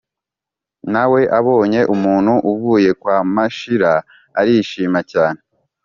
na we abonye umuntu uvuye kwa mashira arishima cyane